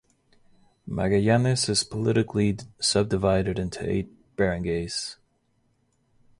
Magallanes is politically subdivided into eight barangays.